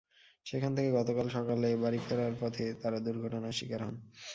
সেখান থেকে গতকাল সকালে বাড়ি ফেরার পথে তাঁরা দুর্ঘটনার শিকার হন।